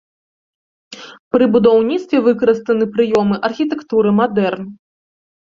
Пры будаўніцтве выкарыстаны прыёмы архітэктуры мадэрн.